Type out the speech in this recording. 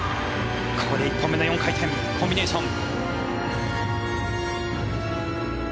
ここで１本目の４回転コンビネーション。